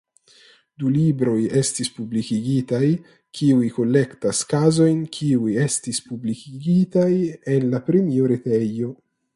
Du libroj estis publikigitaj kiuj kolektas kazojn kiuj estis publikigitaj en la premioretejo.